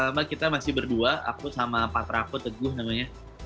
mbak kita masih berdua aku sama pak praku teguh namanya